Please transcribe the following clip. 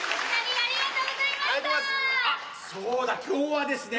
あっそうだ今日はですね